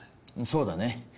そうだね